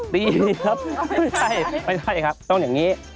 ไม่ได้ครับต้องอย่างนี้